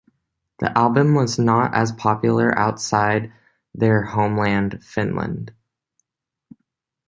The album was not as popular outside their homeland Finland.